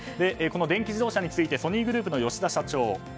この電気自動車についてソニーグループの吉田社長。